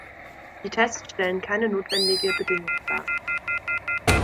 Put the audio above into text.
Die Tests stellen keine notwendige Bedingung dar.